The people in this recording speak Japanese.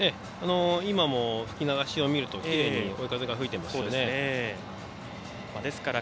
今も吹き流しを見るときれいに追い風が吹いていますね。